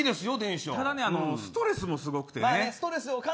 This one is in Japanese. ただ、ストレスもすごくてね。